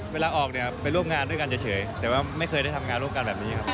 เวลาออกเนี่ยไปร่วมงานด้วยกันเฉยแต่ว่าไม่เคยได้ทำงานร่วมกันแบบนี้ครับ